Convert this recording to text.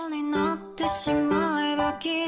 พี่จะถ่ายทีเวทติ้งเหรอคะ